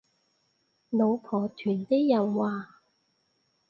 老婆團啲人話